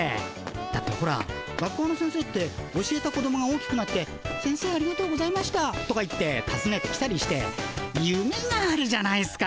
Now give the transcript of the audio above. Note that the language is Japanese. だってほら学校の先生って教えた子どもが大きくなって「先生ありがとうございました」とか言ってたずねてきたりしてゆめがあるじゃないっすか。